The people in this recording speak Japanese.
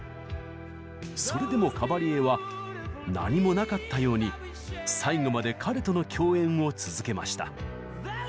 それでもカバリエは何もなかったように最後まで彼との共演を続けました。